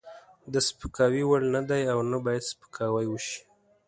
د سپکاوي وړ نه دی او نه باید سپکاوی وشي.